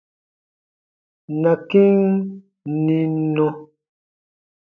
Na kĩ n nim nɔ.